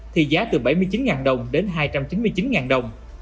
thì giá từ bảy mươi chín đồng đến hai trăm chín mươi chín đồng